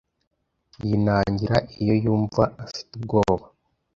Yinangira iyo yumva afite ubwoba.